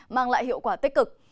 mang lại hiệu quả tích cực